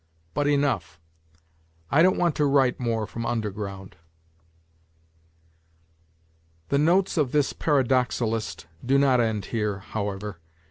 But enough ; I don't want to write more from " Underground." [The notes of this paradoxalist do not end here, Jwwever.